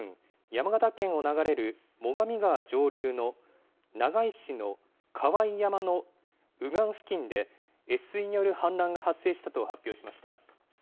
山形県を流れる最上川上流の長井市の河井山の右岸付近で越水による氾濫が発生したと発表しました。